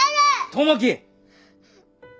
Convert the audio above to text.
友樹。